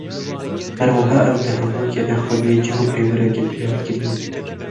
Her wiha ew di hevokê de xwedîyê cih û peywireke diyarkirî ye.